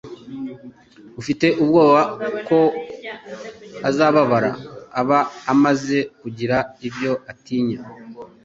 Ufite ubwoba ko azababara, aba amaze kugira ibyo atinya.”